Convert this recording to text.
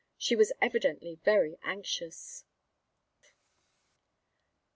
She was evidently very anxious.